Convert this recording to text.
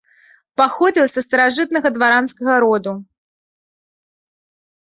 Паходзіў са старажытнага дваранскага роду.